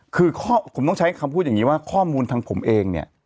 คือผมต้องใช้คำพูดอย่างนี้ว่าข้อมูลทางผมเองเนี่ย